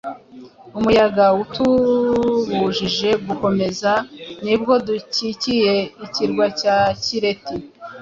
Umuyaga utubujije gukomeza, nibwo dukikiye ikirwa cya Kireti